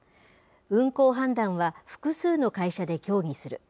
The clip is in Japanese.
運航判断は複数の会社で協議する。